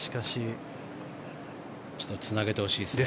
つなげてほしいですね。